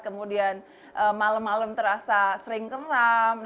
kemudian malam malam terasa sering keram